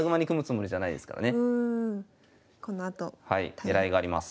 狙いがあります。